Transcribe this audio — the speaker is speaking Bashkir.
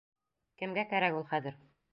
Кемгә кәрәк ул хәҙер?!